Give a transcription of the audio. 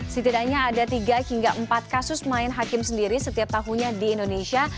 setidaknya ada tiga hingga empat kasus main hakim sendiri setiap tahunnya di indonesia